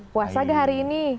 puasa gak hari ini